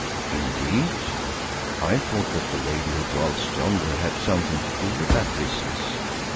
"Indeed! I thought that the Lady who dwells yonder had something to do with that business.